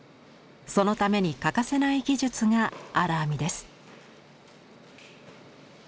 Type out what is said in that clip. そのために欠かせない技術が「荒編み」です。